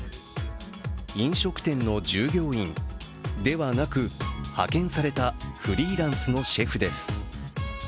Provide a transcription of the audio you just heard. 飲食店の従業員ではなく派遣されたフリーランスのシェフです。